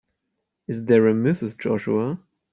Is there a Mrs. Joshua?